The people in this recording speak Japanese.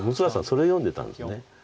それ読んでたんです。